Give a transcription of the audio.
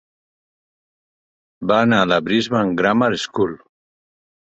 Va anar a la Brisbane Grammar School.